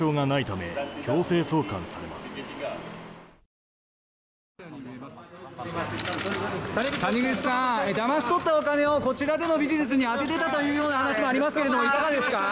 だまし取ったお金をこちらでのビジネスに充てていたという話もありますがいかがですか。